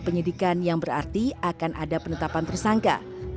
penyidikan yang berarti akan ada penetapan tersangka